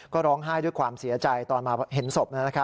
ก็ร้องไห้ด้วยความเสียใจตอนมาเห็นศพ